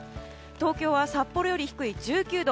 東京は札幌より低い１９度。